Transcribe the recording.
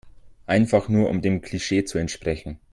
Einfach nur um dem Klischee zu entsprechen.